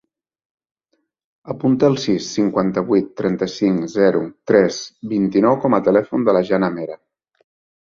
Apunta el sis, cinquanta-vuit, trenta-cinc, zero, tres, vint-i-nou com a telèfon de la Janat Mera.